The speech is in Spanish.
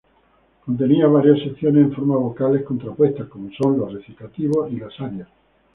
Contenía varias secciones en formas vocales contrapuestas, como son los recitativos y las arias.